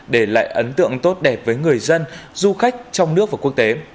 để lại ấn tượng tốt đẹp với người dân du khách trong nước và quốc tế